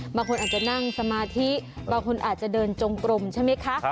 บางคนอาจจะนั่งสมาธิบางคนอาจจะเดินจงกลมใช่ไหมคะ